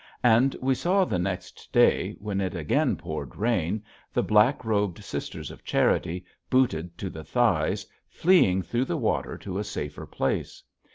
And we saw the next day, when it again poured rain, the black robed sisters of charity, booted to the thighs, fleeing through the water to a safer place.